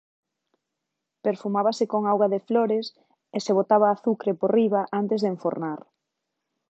Perfumábase con "auga de flores" e se botaba azucre por riba antes de enfornar.